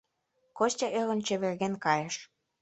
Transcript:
— Костя, ӧрын, чеверген кайыш.